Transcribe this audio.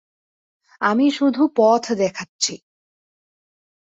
আমি শুধু পথ দেখাচ্ছি।